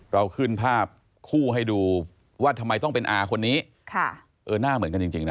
เราขึ้นภาพคู่ให้ดูว่าทำไมต้องเป็นอาคนนี้หน้าเหมือนกันจริงนะ